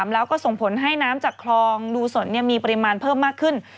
แล้วก็ส่งผลให้น้ำจากคลองดูสนมีปริมาณเพิ่มมากขึ้น